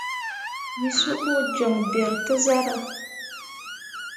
Wǝ suɓu joŋ beere te zarah.